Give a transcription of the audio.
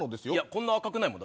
こんな赤くないもん。